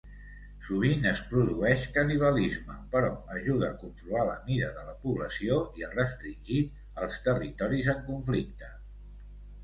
Sovint es produeix canibalisme, però ajuda a controlar la mida de la població i a restringir els territoris en conflicte.